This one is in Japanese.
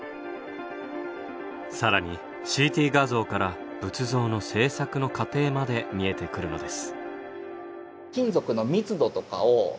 更にＣＴ画像から仏像の制作の過程まで見えてくるのです。